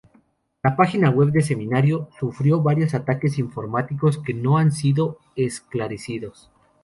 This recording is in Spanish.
La página web de Semanario sufrió varios ataques informáticos que no han sido esclarecidos.